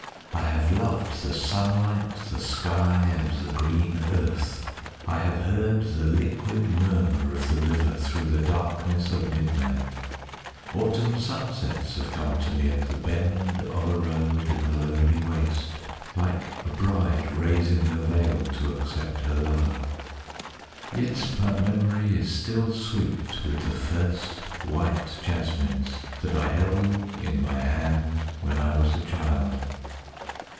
I have loved the sunlight, the sky and the green earth; I have heard the liquid murmur of the river through the darkness of midnight; Autumn sunsets have come to me at the bend of a road in the lonely waste, like a bride raising her veil to accept her lover. Yet my memory is still sweet with the first white jasmines that I held in my hand when I was a child.